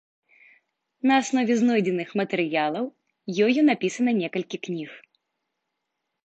На аснове знойдзеных матэрыялаў, ёю напісана некалькі кніг.